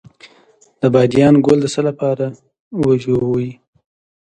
د بادیان ګل د څه لپاره وژويئ؟